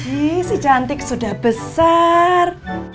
ih si cantik sudah besar